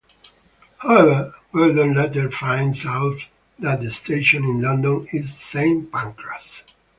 However, Gordon later finds out that the station in London is Saint Pancras.